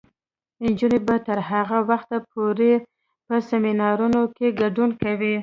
نجونې به تر هغه وخته پورې په سیمینارونو کې ګډون کوي.